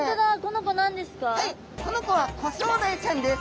この子はコショウダイちゃんです。